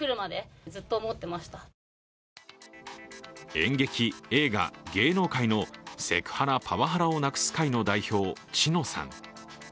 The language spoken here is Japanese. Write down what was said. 演劇・映画・芸能界のセクハラ・パワハラをなくす会の代表・知乃さん。